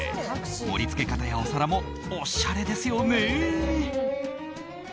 盛り付け方やお皿もおしゃれですよね。